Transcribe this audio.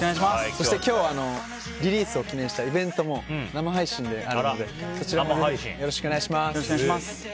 そして今日リリースを記念したイベントも生配信であるのでそちらもよろしくお願いします。